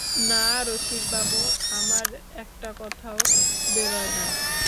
না রসিকবাবু, আমার একটা কথাও বেরোয় না।